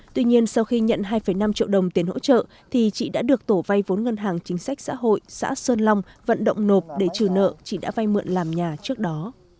tuy nhiên sau khi nhận hai năm triệu đồng tiền hỗ trợ thì chị đã được tổ vay vốn ngân hàng chính sách xã hội xã sơn long vận động nộp để trừ nợ chị đã vay mượn làm nhà trước đó